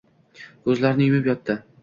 Ko‘zlarini yumib yotdi.